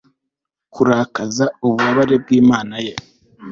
Kurakaza ububabare bwImana ye